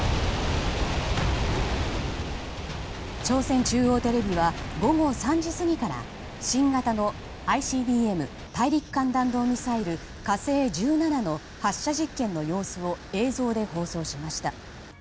朝鮮中央テレビは午後３時過ぎから新型のＩＣＢＭ・大陸間弾道ミサイル「火星１７」の発射実験の様子を映像で放送しました。